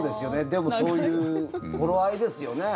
でもそういう頃合いですよね。